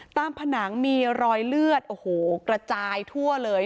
ผนังมีรอยเลือดโอ้โหกระจายทั่วเลย